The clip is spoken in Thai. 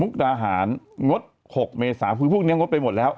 ดาหารงด๖เมษาคือพวกนี้งดไปหมดแล้ว